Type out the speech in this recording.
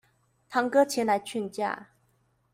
堂哥前來勸架